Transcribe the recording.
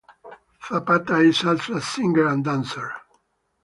Zapata is also a singer and dancer.